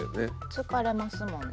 疲れますもんね。